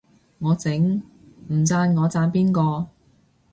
我整，唔讚我讚邊個